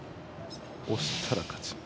押したら勝ち。